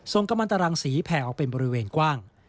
กำลังตรังสีแผ่ออกเป็นบริเวณกว้าง